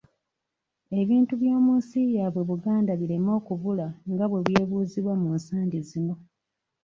Ebintu eby'omu nsi yaabwe Buganda bireme okubula nga bwe byebuuzibwa mu nsangi zino.